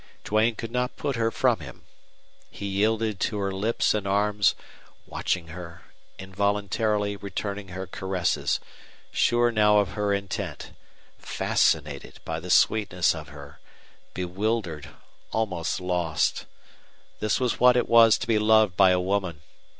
Duane could not put her from him. He yielded to her lips and arms, watching her, involuntarily returning her caresses, sure now of her intent, fascinated by the sweetness of her, bewildered, almost lost. This was what it was to be loved by a woman.